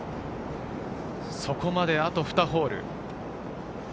そこまであと２ホール。